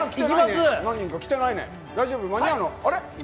何人か来てないね、大丈夫？間に合うの？